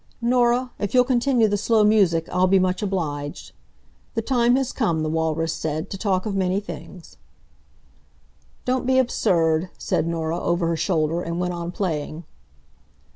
"Norah, if you'll continue the slow music, I'll be much obliged. 'The time has come, the Walrus said, to talk of many things.'" "Don't be absurd," said Norah, over her shoulder, and went on playing.